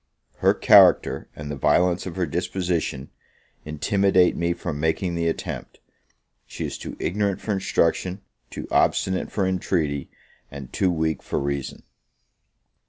Her character and the violence of her disposition, intimidate me from making the attempt: she is too ignorant for instruction, too obstinate for intreaty, and too weak for reason.